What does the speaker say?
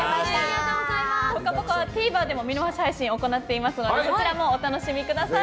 「ぽかぽか」はＴＶｅｒでも見逃し配信を行っているのでそちらもお楽しみください。